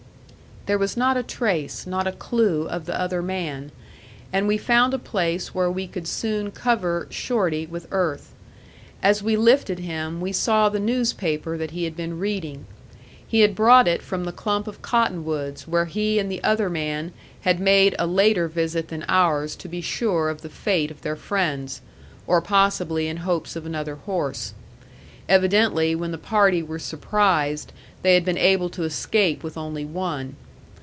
There was not a trace, not a clew, of the other man; and we found a place where we could soon cover Shorty with earth. As we lifted him we saw the newspaper that he had been reading. He had brought it from the clump of cottonwoods where he and the other man had made a later visit than ours to be sure of the fate of their friends or possibly in hopes of another horse. Evidently, when the party were surprised, they had been able to escape with only one.